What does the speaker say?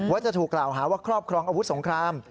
ว่าจะถูกกล่าวหาว่าครอบครองอาวุธสงคราม